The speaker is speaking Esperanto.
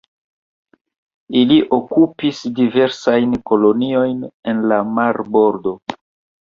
Ili okupis diversajn koloniojn en la marbordo.